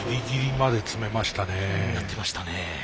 やってましたね。